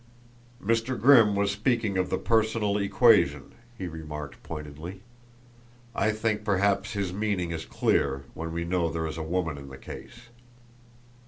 "Mr. Grimm was speaking of the personal equation," he remarked pointedly. "I think perhaps his meaning is clear when we know there is a woman in the case.